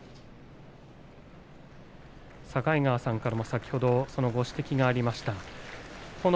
境川さんからも指摘がありました。